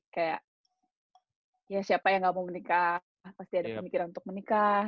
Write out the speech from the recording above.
kayak ya siapa yang gak mau menikah pasti ada pemikiran untuk menikah